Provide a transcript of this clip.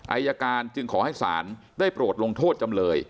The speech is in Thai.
อายการจึงขอให้ศาลได้โปรดลงโทษจำเลย